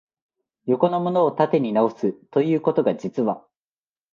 横のものを縦に直す、ということが、実は、